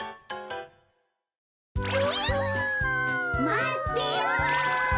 まってよ！